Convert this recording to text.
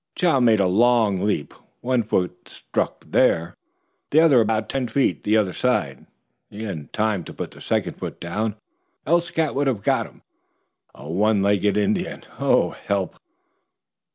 Chow made a long leap. One foot struck there, the other about ten feet the other side. He hadn't time to put the second foot down else the cat would have got him. A one legged Indian! Oh, help!"